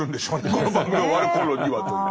この番組が終わる頃には。ですね。